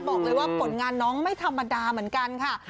บอกเลยว่าผลงานน้องไม่ธรรมดาเหมือนกันค่ะ